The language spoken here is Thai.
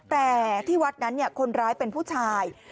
แต่ที่วัดนั้นคนร้ายเป็นผู้ชาย